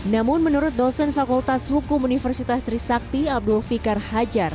namun menurut dosen fakultas hukum universitas trisakti abdul fikar hajar